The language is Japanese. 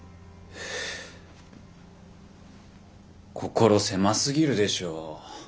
心狭すぎるでしょ。